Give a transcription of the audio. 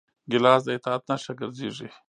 ګیلاس د اطاعت نښه ګرځېږي.